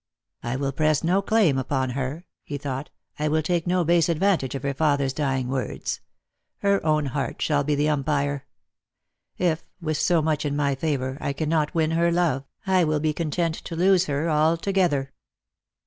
" I will press no claim upon her," he thought, " I will take no base advantage of her father's dying words. Her own heart shall be the umpire. If, with so much in my favour, I cannot win her love, I will be content to lose her altogether."